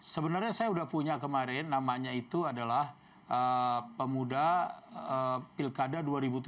sebenarnya saya sudah punya kemarin namanya itu adalah pemuda pilkada dua ribu tujuh belas